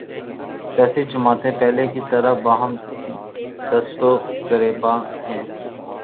سیاسی جماعتیں پہلے کی طرح باہم دست و گریبان ہیں۔